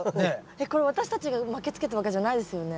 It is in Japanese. えっこれ私たちが巻きつけたわけじゃないですよね。